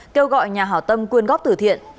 kêu gọi nhà hảo tâm quyên góp tử thiện